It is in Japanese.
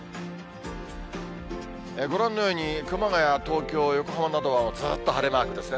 ご覧のように、熊谷、東京、横浜などはずっと晴れマークですね。